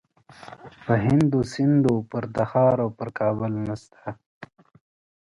په هند و سند و پر تخار او پر کابل نسته.